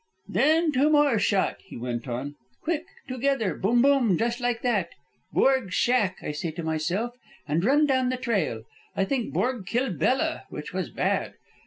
"Then two more shot," he went on, "quick, together, boom boom, just like that. 'Borg's shack,' I say to myself, and run down the trail. I think Borg kill Bella, which was bad.